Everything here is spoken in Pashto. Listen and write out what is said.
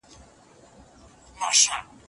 له پلاستیکي کڅوړو ډډه وکړئ.